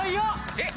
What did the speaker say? ・えっ？